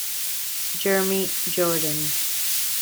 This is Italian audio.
Jeremy Jordan